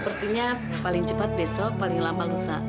sepertinya paling cepat besok paling lama lusa